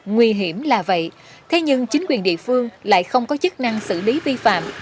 nguy hiểm là vậy thế nhưng chính quyền địa phương lại không có chức năng xử lý vi phạm